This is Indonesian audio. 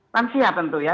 lansia tentu ya